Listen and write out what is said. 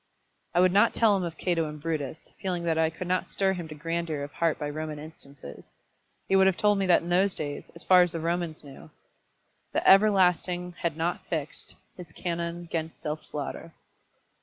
I would not tell him of Cato and Brutus, feeling that I could not stir him to grandeur of heart by Roman instances. He would have told me that in those days, as far as the Romans knew, "the Everlasting had not fixed His canon 'gainst self slaughter."